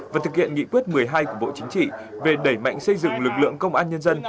và thực hiện nghị quyết một mươi hai của bộ chính trị về đẩy mạnh xây dựng lực lượng công an nhân dân